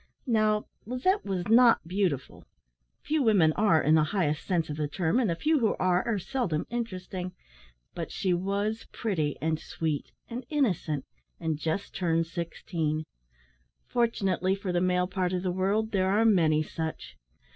Now, Lizette was not beautiful few women are, in the highest sense of the term, and the few who are, are seldom interesting; but she was pretty, and sweet, and innocent, and just turned sixteen. Fortunately for the male part of the world, there are many such.